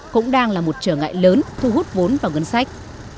cũng đang là một trở ngại lớn thu hút vốn vào ngân sách